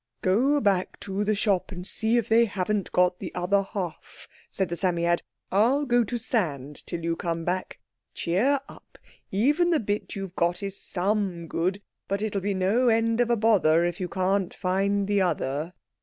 "Go back to the shop and see if they haven't got the other half," said the Psammead. "I'll go to sand till you come back. Cheer up! Even the bit you've got is some good, but it'll be no end of a bother if you can't find the other."